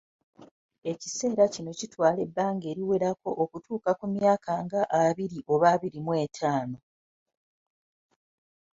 Ekiseera kino kitwala ebbanga eriwerako okutuuka ku myaka nga abiri oba abiri mu etaano.